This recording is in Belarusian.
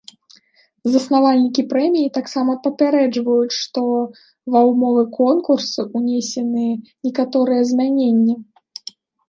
Заснавальнікі прэміі таксама папярэджваюць, што ва ўмовы конкурсу ўнесены некаторыя змяненні.